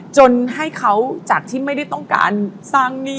จนให้เขาจากที่ไม่ได้ต้องการสร้างหนี้